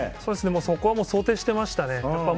そこは想定してましたね。